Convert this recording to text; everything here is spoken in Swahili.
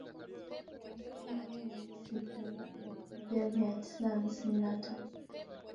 mnamo mwezi Septembaelfu moja mia tisa hamsini na tatu